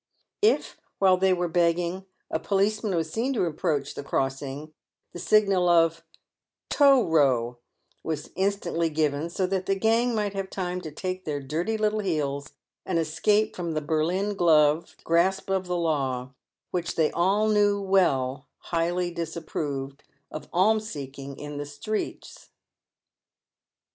If, while they were begging, a policeman was seen to approach the crossing, the signal of " tow row" "Was instantly given, so that the gang might have time to take to their dirty little heels and escape from the Berlin gloved grasp of the law,' which they all wdll knew highly disapproved of alms seeking in the streets.